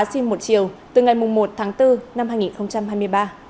xin một chiều từ ngày một tháng bốn năm hai nghìn hai mươi ba